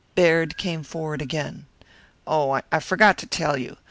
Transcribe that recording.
Baird came forward again. "Oh, I forgot to tell you.